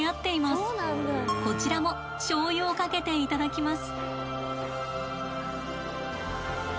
こちらもしょう油をかけていただきます。